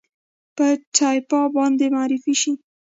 کالтура باید معرفي شي